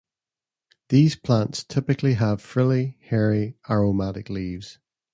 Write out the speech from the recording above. These plants typically have frilly, hairy, aromatic leaves.